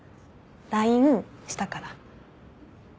ＬＩＮＥしたから。